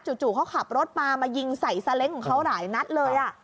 จู่จุกเขาขับรถมามายิงใส่ของเขาหลายนัดเลยอ่ะ